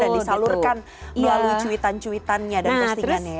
dan disalurkan melalui cuitan cuitannya dan postingannya ya